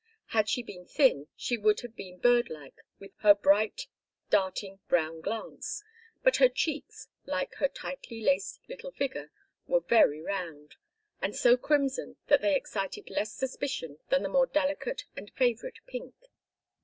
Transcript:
Had she been thin she would have been bird like with her bright darting brown glance, but her cheeks, like her tightly laced little figure, were very round, and so crimson that they excited less suspicion than the more delicate and favorite pink.